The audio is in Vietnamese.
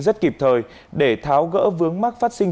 rất kịp thời để tháo gỡ vướng mắc phát sinh